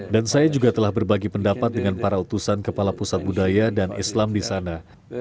dan saya juga telah berbagi pendapat dengan para utusan kepala pusat budaya dan islam di sana